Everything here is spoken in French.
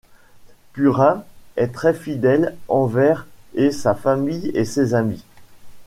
Purin est très fidèle envers et sa famille et ses amis.